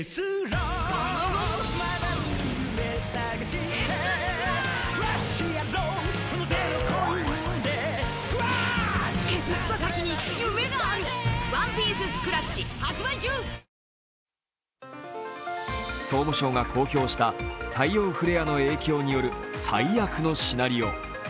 その最悪のシナリオとは総務省が公表した太陽フレアの影響による最悪のシナリオ。